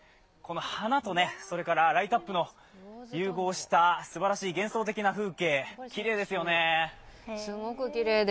花とライトアップの融合した、すばらしい幻想的な風景、きれいですよね。